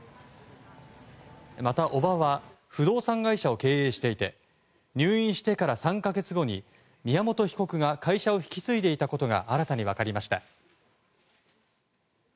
また、叔母は不動産会社を経営していて入院してから３か月後に宮本被告が会社を引き継いでいたことが新たに分かりました。